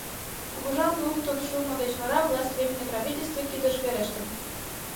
Кугыжам луктын шуымо деч вара власть Временный правительство кидыш верештын.